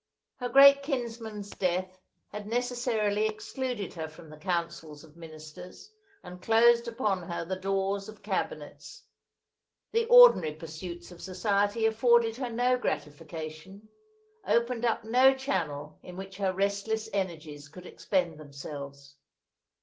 Her great kinsman's death had necessarily excluded her from the councils of ministers, and closed upon her the doors of cabinets. The ordinary pursuits of society afforded her no gratification, opened up no channel in which her restless energies could expend themselves.